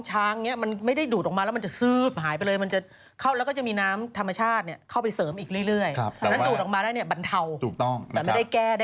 ถ้านั้นถูกออกมาได้เนี่ยบรรเทาแต่ไม่ได้แก้ได้ทั้งหมด